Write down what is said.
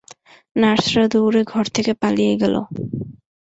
নার্সরা দৌড়ে ঘর থেকে পালিয়ে গেল।